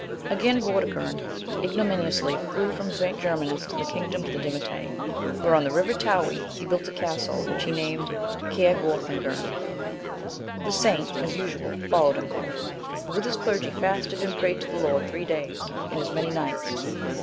Again Vortigern ignominiously flew from St. Germanus to the kingdom of the Dimetae, where, on the river Towy,* he built a castle, which he named Cair Guothergirn. The saint, as usual, followed him there, and with his clergy fasted and prayed to the Lord three days, and as many nights.